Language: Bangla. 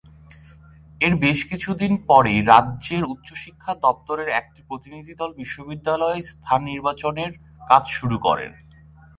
এর বেশ কিছুদিন পরেই রাজ্যের উচ্চশিক্ষা দপ্তরের একটি প্রতিনিধিদল বিশ্ববিদ্যালয়ে স্থান নির্বাচনের কাজ শুরু করে।